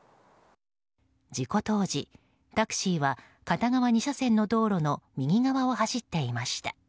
事故当時タクシーは片側２車線の道路の右側を走っていました。